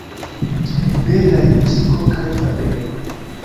Belaj muziko kaj fabelo!